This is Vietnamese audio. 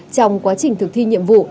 trong quá trình thực thi nhiệm vụ